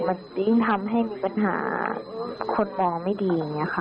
มันยิ่งทำให้มีปัญหาคนมองไม่ดีอย่างนี้ค่ะ